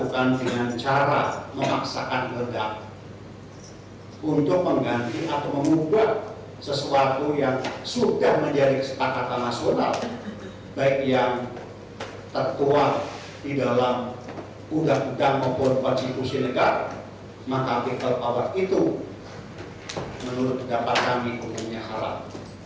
kepada kpu maka people power itu menurut dapat kami umumnya haram